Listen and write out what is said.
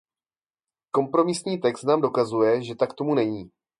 Kompromisní text nám dokazuje, že tak tomu není.